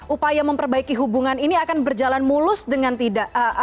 upaya memperbaiki hubungan ini akan berjalan mulus dengan tidak